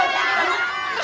lu bantuin gua